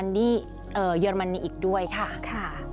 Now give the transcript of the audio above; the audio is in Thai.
อยู่เยอรมนีอีกด้วยครับ